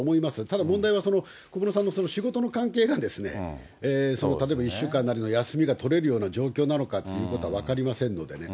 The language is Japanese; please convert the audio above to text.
ただ問題は、小室さんの仕事の関係が、例えば１週間なりの休みが取れるような状況なのかっていうことは分かりませんのでね。